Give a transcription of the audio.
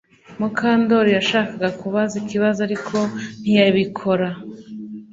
Mukandoli yashakaga kubaza ikibazo ariko ntiyabikora